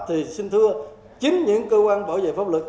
thì xin thưa chính những cơ quan bảo vệ pháp luật